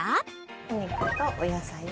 お肉とお野菜を。